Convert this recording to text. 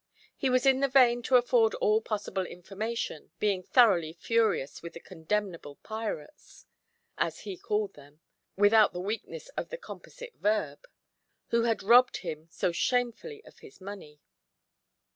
He was in the vein to afford all possible information, being thoroughly furious with the condemnable pirates as he called them, without the weakness of the composite verb who had robbed him so shamefully of his money.